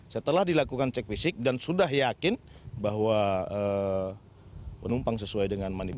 setelah dilakukan cek fisik dan sudah yakin bahwa penumpang sesuai dengan manik